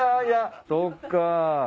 いやそっか。